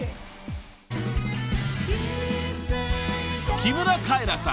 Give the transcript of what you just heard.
［木村カエラさん。